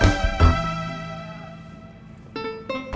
kamu mau ke rumah